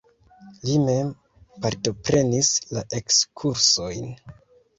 Li mem partoprenis la ekskursojn.